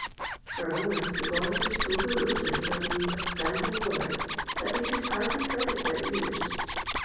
For a moment the boys were so bewildered by these astounding words that they could hardly credit their ears.